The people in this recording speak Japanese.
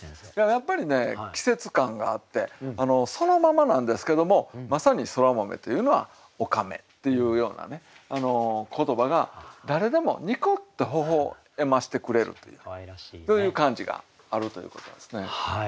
やっぱりね季節感があってそのままなんですけどもまさにそら豆というのはおかめっていうような言葉が誰でもニコッとほほ笑ましてくれるというそういう感じがあるということですね。